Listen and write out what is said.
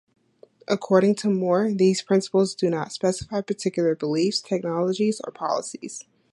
According to More, these principles "do not specify particular beliefs, technologies, or policies".